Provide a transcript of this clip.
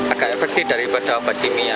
agak efektif daripada obat kimia